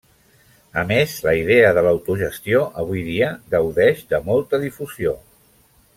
A més la idea de l'autogestió avui dia gaudeix de molta difusió.